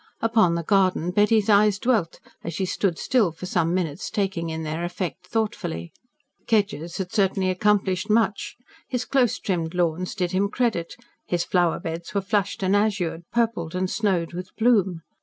Upon the garden Betty's eyes dwelt, as she stood still for some minutes taking in their effect thoughtfully. Kedgers had certainly accomplished much. His close trimmed lawns did him credit, his flower beds were flushed and azured, purpled and snowed with bloom.